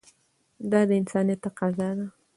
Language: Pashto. دا د انسانیت تقاضا ده.